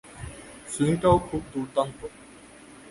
সুইংটাও খুব দুর্দান্ত।